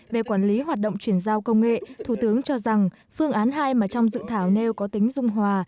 về quản lý hoạt động chuyển giao công nghệ thủ tướng cho rằng phương án hai mà trong dự thảo nêu có tính dung hòa